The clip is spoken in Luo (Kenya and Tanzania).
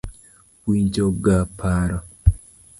Winjo ga paro.